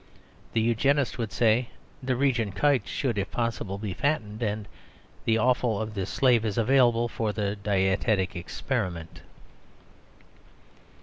The Eugenist would say, "The region kites should, if possible, be fattened; and the offal of this slave is available for the dietetic experiment."